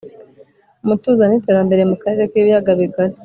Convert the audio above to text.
Umutuzo n’Iterambere mu Karere k’Ibiyaga bigari